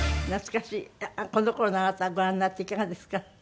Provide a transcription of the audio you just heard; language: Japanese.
この頃のあなたをご覧になっていかがですか？